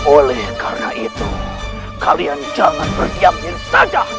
oleh karena itu kalian jangan berdiamin saja